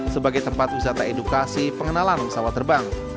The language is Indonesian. sebagai tempat wisata edukasi pengenalan pesawat terbang